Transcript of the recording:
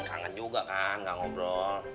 kangen juga kan gak ngobrol